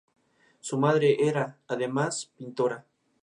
Su madre era, además, pintora.